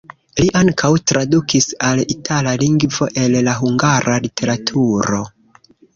Li ankaŭ tradukis al itala lingvo el la hungara literaturo.